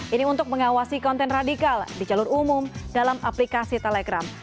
ini untuk mengawasi konten radikal di jalur umum dalam aplikasi telegram